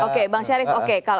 oke bang syarif oke